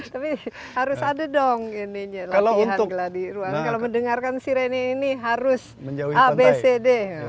tapi harus ada dong latihan geladiruan kalau mendengarkan sirine ini harus abcd